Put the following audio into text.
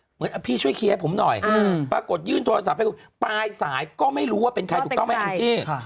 เหมือนพี่ช่วยเคลียร์ให้ผมหน่อยปรากฏยื่นโทรศัพท์ให้คุณปลายสายก็ไม่รู้ว่าเป็นใครถูกต้องไหมแองจี้